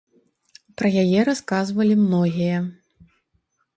Пра яе расказвалі многія.